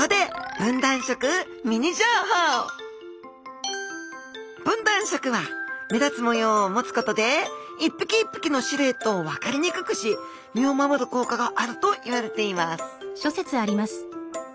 分断色は目立つ模様をもつことで一匹一匹のシルエットを分かりにくくし身を守る効果があるといわれています